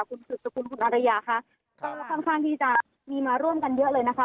คุณสืบสกุลคุณอารยาค่ะก็ค่อนข้างที่จะมีมาร่วมกันเยอะเลยนะคะ